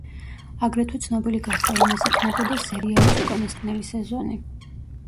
აგრეთვე ცნობილი გახდა, რომ ეს იქნებოდა სერიალის უკანასკნელი სეზონი.